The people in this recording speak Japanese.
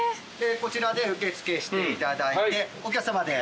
こちらで受け付けしていただいてお客さまで。